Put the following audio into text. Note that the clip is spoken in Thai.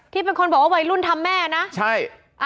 ที่เป็นคนบอกว่าวัยรุ่นทำแม่นะใช่